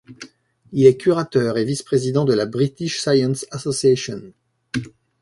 Il est curateur et vice-président de la British Science Association.